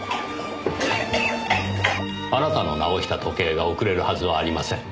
あなたの直した時計が遅れるはずはありません。